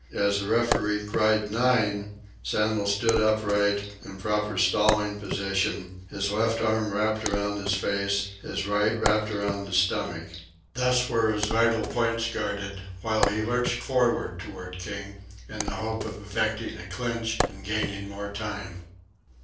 As the referee cried "Nine!" Sandel stood upright, in proper stalling position, his left arm wrapped about his face, his right wrapped about his stomach. Thus were his vital points guarded, while he lurched forward toward King in the hope of effecting a clinch and gaining more time.